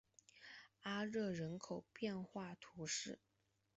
阿热人口变化图示